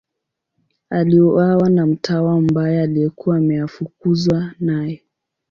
Aliuawa na mtawa mbaya aliyekuwa ameafukuzwa naye.